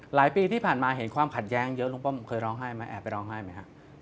หลายปีที่ผ่านมาเห็นความขัดแย้งเยอะหรือเปล่าคุณพ่อเคยร้องไห้ไหมแอบไปร้องไห้ไหมครับ